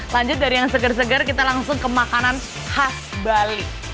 lanjut dari yang segar segar kita langsung ke makanan khas bali